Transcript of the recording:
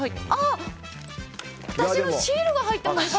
私のシールが入っていました！